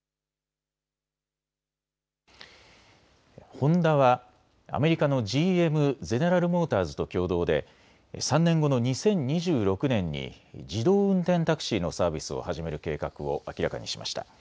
ホンダはアメリカのＧＭ・ゼネラルモーターズと共同で３年後の２０２６年に自動運転タクシーのサービスを始める計画を明らかにしました。